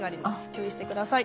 注意してください。